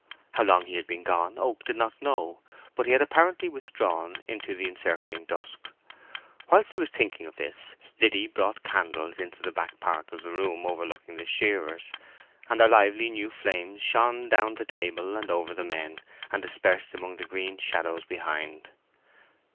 How long he had been gone Oak did not know; but he had apparently withdrawn into the encircling dusk. Whilst he was thinking of this, Liddy brought candles into the back part of the room overlooking the shearers, and their lively new flames shone down the table and over the men, and dispersed among the green shadows behind.